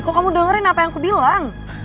kok kamu dengerin apa yang aku bilang